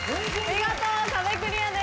見事壁クリアです。